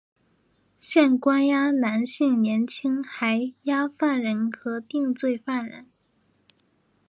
现关押男性年青还押犯人和定罪犯人。